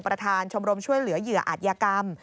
ประธานชมรมช่วยเหลือเหยื่ออาจยากรรม